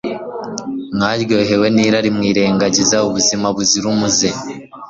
Mwaryohewe nirari mwirengagiza ubuzima buzira umuze